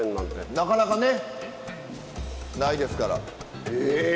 なかなかねないですから。